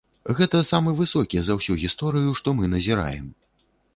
Гэта самы высокі за ўсю гісторыю, што мы назіраем.